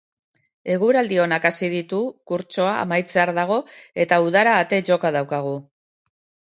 Eguraldi onak hasi ditu, kursoa amaitzear dago eta udara ate joka daukagu.